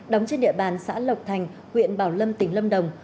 đóng trên địa bàn xã lộc thành huyện bảo lâm tỉnh lâm đồng